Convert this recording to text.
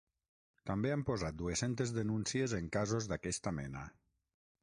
També han posat dues-centes denúncies en casos d’aquesta mena.